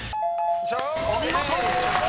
［お見事！］